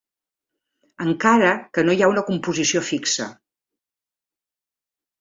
Encara que no hi ha una composició fixa.